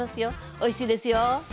おいしいですよ。